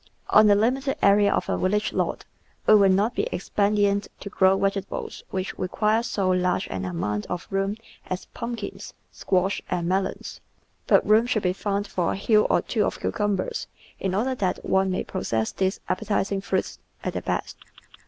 On the limited area of a village lot it will not be expedient to grow vegetables which require so large an amount of room as pumpkins, squash, and melons, but room should be found for a hill or two of cucumbers in order that one may possess these appetising fruits at their best.